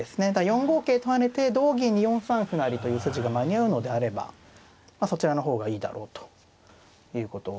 ４五桂と跳ねて同銀に４三歩成という筋が間に合うのであればそちらの方がいいだろうということですね。